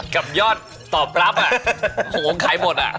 กับยอดตอบรับของโอ้งขายหมด